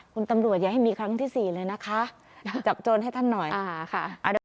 คุณตำรวจอย่าให้มีครั้งที่สี่เลยนะคะจับโจรให้ท่านหน่อย